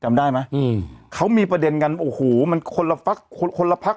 จำได้ไหมอืมเขามีประเด็นกันโอ้โหมันคนละพักคนละพัก